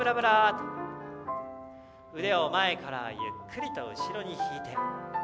腕を前からゆっくりと後ろに引いて。